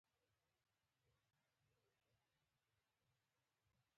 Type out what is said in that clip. پر اکبرجان دا خبره ښه نه لګېده او یې کرکه ورته وه.